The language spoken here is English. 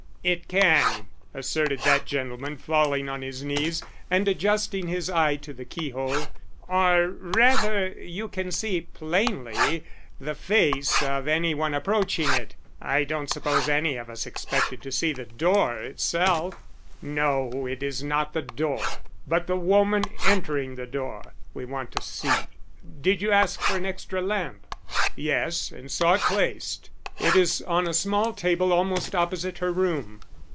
"It can," asserted that gentleman, falling on his knees and adjusting his eye to the keyhole. "Or rather, you can see plainly the face of any one approaching it. I don't suppose any of us expected to see the door itself." "No, it is not the door, but the woman entering the door, we want to see. Did you ask for an extra lamp?" "Yes, and saw it placed. It is on a small table almost opposite her room."